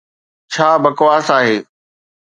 !ڇا بڪواس آهي